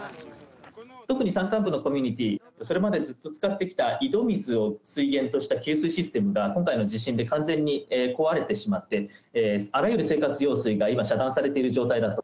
特に山間部のコミュニティ、これまでずっと使ってきた井戸水を水源とした給水システムが、今回の地震で完全に壊れてしまって、あらゆる生活用水が、今、遮断されている状態だと。